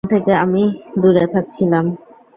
এখান থেকে আমি দূরে থাকছিলাম।